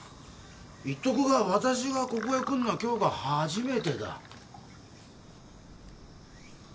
言っとくが私がここへ来んのは今日が初めてだ。